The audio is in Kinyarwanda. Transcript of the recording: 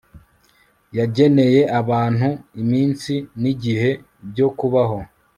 yageneye abantu iminsi n'igihe byo kubaho